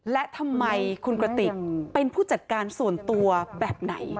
และทำไมคุณกระติกเป็นผู้จัดการส่วนตัวแบบไหน